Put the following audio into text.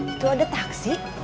itu ada taksi